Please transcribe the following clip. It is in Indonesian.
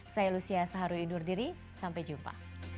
saya lucia saharu indur diri sampai jumpa